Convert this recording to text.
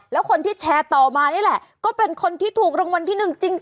แล้วคนที่แชร์ต่อมานี่แหละก็เป็นคนที่ถูกรางวัลที่หนึ่งจริง